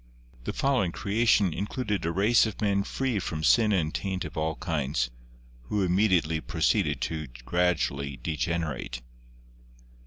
The following creation included a race of men free from sin and taint of all kinds, who immediately proceeded to gradually degenerate.